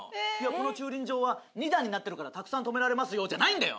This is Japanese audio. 「この駐輪場は２段になってるからたくさん停められますよ」じゃないんだよ。